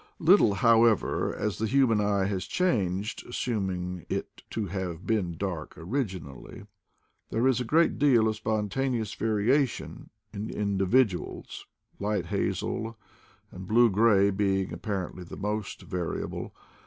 Little, however, as the human eye has changed, assuming it to Have been dark originally, there is a great deal of spontaneous variation in indi viduals, light hazel and blue gray being appar ently the most variable.